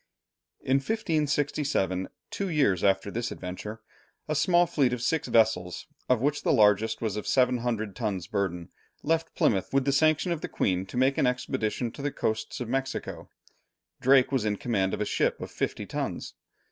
In 1567, two years after this adventure, a small fleet of six vessels, of which the largest was of 700 tons' burden, left Plymouth with the sanction of the Queen, to make an expedition to the Coasts of Mexico. Drake was in command of a ship of fifty tons.